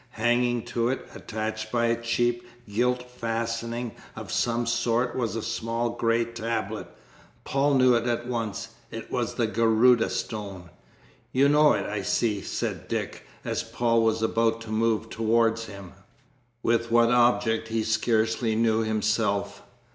Hanging to it, attached by a cheap gilt fastening of some sort, was a small grey tablet. Paul knew it at once it was the Garudâ Stone. "You know it, I see," said Dick, as Paul was about to move towards him with what object he scarcely knew himself.